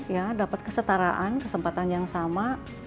ya dapat kesetaraan kesempatan yang sama